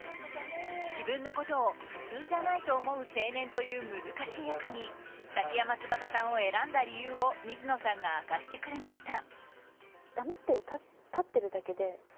自分のことを普通じゃないと思う青年という難しい役に崎山つばささんを選んだ理由を水野さんが明かしてくれました。